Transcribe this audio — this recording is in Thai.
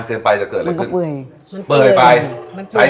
ต้องใช้คำเชี่ยวฉาเลย